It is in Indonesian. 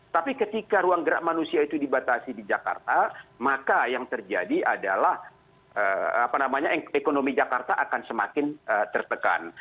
tapi ketika ruang gerak manusia itu dibatasi di jakarta maka yang terjadi adalah ekonomi jakarta akan semakin tertekan